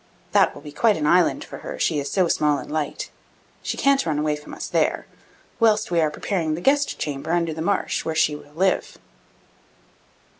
That will be quite an island for her; she is so small and light. She can't run away from us there, whilst we are preparing the guest chamber under the marsh where she shall live.